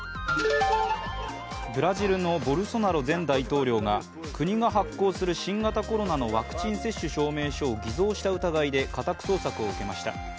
ブラジルのボルソナロ前大統領が国が発行する新型コロナのワクチン接種証明書を偽造した疑いで家宅捜索を受けました。